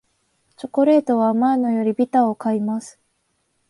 チョコレートは甘いのよりビターを買います